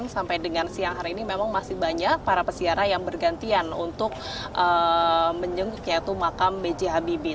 sampai dengan siang hari ini memang masih banyak para peziara yang bergantian untuk menyengkuknya itu makam bj habibie